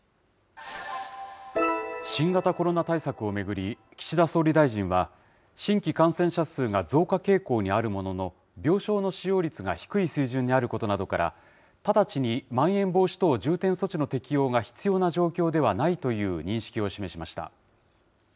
新型コロナ対策を巡り、岸田総理大臣は、新規感染者数が増加傾向にあるものの、病床の使用率が低い水準にあることなどから、直ちにまん延防止等重点措置の適用がひつようなじょうきょうではないという認識を示しました。